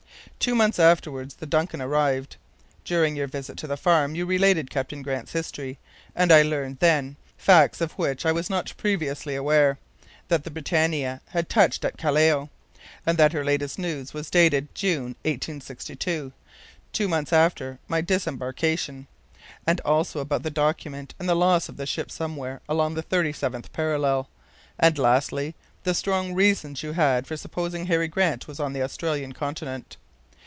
Two months afterward the DUNCAN arrived. During your visit to the farm you related Captain Grant's history, and I learned then facts of which I was not previously aware that the BRITANNIA had touched at Callao, and that her latest news was dated June, 1862, two months after my disembarkation, and also about the document and the loss of the ship somewhere along the 37th parallel; and, lastly, the strong reasons you had for supposing Harry Grant was on the Australian continent.